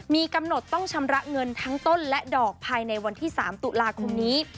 มีกำหนดต้องชำระเงินทั้งต้นและดอกภายในวันที่๓ตุลาคมนี้